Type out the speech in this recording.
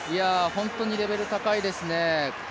本当にレベル高いですね。